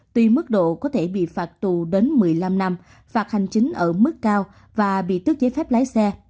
tuy mức độ có thể bị phạt tù đến một mươi năm năm phạt hành chính ở mức cao và bị tước giấy phép lái xe